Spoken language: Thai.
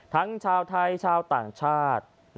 ทั้งชาวไทยชาวต่างชาติ